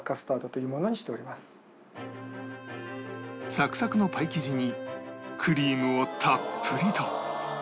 サクサクのパイ生地にクリームをたっぷりと！